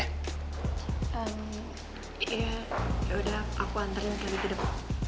ya udah aku antarin ke tidur